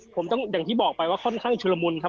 ผมต้องอย่างที่บอกไปว่าค่อนข้างชุลมุนครับ